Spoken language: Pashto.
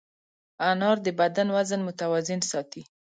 انار د بدن وزن متوازن ساتي.